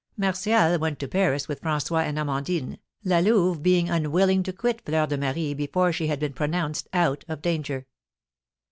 Martial went to Paris with François and Amandine, La Louve being unwilling to quit Fleur de Marie before she had been pronounced out of danger.